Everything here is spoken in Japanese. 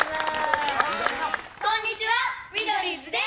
こんにちはミドリーズです！